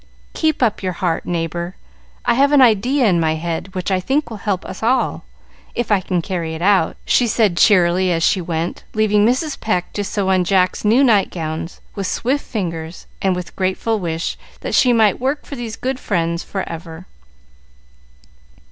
"Keep up your heart, neighbor. I have an idea in my head which I think will help us all, if I can carry it out," she said, cheerily, as she went, leaving Mrs. Pecq to sew on Jack's new night gowns, with swift fingers, and the grateful wish that she might work for these good friends forever.